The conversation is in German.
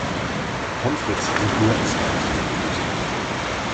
Pommes frites sind nur essbar aus der Friteuse.